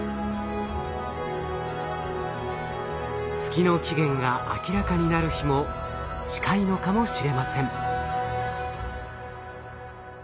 月の起源が明らかになる日も近いのかもしれません。